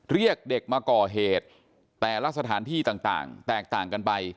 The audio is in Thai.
เรียกเด็กมาก่อเหตุแต่ละสถานที่ต่างแตกต่างกันไป